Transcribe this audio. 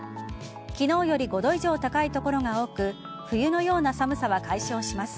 昨日より５度以上高い所が多く冬のような寒さは解消します。